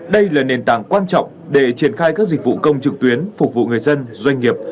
đây là nền tảng quan trọng để triển khai các dịch vụ công trực tuyến phục vụ người dân doanh nghiệp